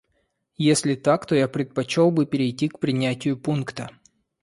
Если так, то я предпочел бы перейти к принятию пункта.